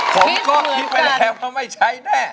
ผมก็คิดไปแล้วไม่ใช้แน่